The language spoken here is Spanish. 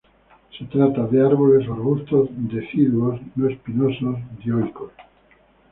Se trata de árboles o arbustos, deciduos, no espinosos, dioicos.